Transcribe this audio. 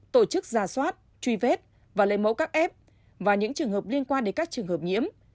tổ chức ra soát truy vết và lấy mẫu các f và những trường hợp liên quan đến các trường hợp nhiễm